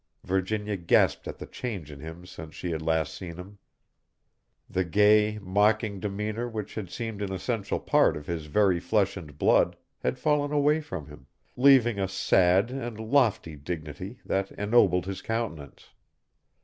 Virginia gasped at the change in him since last she had seen him. The gay, mocking demeanor which had seemed an essential part of his very flesh and blood had fallen away from him, leaving a sad and lofty dignity that ennobled his countenance.